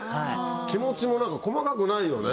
気持ちも細かくないよね。